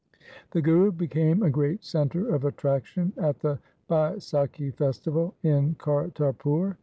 The Guru became a great centre of attraction at the Baisakhi festival in Kartarpur.